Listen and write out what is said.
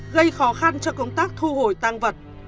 gây khó khăn cho công tác thu hồi tăng vật